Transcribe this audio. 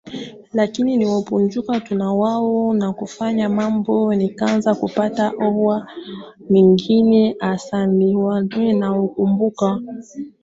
lakini nilipojiunga tu na wao na kufanya mambo nikaanza kupata ofa nyingine anasemaNakumbuka